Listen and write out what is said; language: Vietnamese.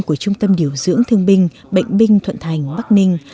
của trung tâm điều dưỡng thương binh bệnh binh thuận thành bắc ninh